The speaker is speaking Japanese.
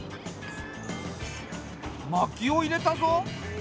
まきを入れたぞ。